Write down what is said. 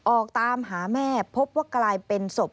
ออกตามหาแม่พบว่ากลายเป็นศพ